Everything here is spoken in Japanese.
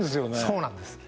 そうなんです。